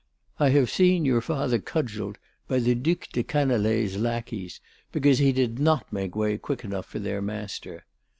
I have seen your father cudgelled by the Duc de Canaleilles' lackeys because he did not make way quick enough for their master.